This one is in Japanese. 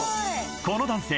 この男性